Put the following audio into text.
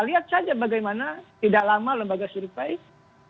lihat saja bagaimana tidak lama lembaga suri pais